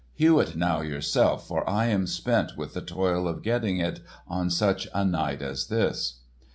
Hew it now yourself, for I am spent with the toil of getting it in on such a night as this."